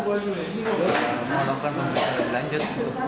jadi kita mau lakukan pembedahan lanjut